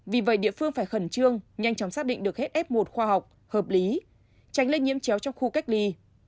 vì vậy địa phương phải khẩn trương nhanh chóng xác định được hết f một khoa học hợp lý tránh lây nhiễm chéo trong khu cách ly